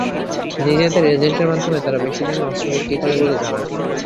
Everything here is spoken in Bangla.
নিজেদের এজেন্টের মাধ্যমে তারা বেশি দামে অস্ত্র বিক্রি করে বলে জানা যায়।